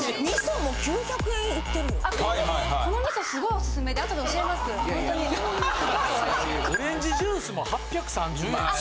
オレンジジュースも８３０円て。